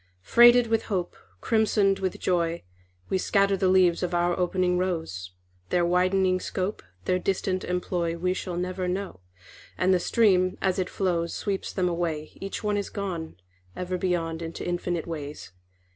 Freighted with hope, Crimsoned with joy, We scatter the leaves of our opening rose; Their widening scope, Their distant employ, We never shall know. And the stream as it flows Sweeps them away, Each one is gone Ever beyond into infinite ways.